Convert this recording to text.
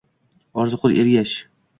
Orziqul Ergash